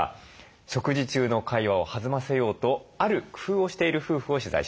食事中の会話を弾ませようとある工夫をしている夫婦を取材しました。